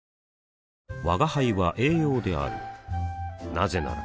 なぜなら